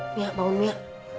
mia bangun mia